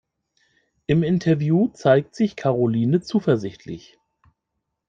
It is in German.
Im Interview zeigt sich Karoline zuversichtlich.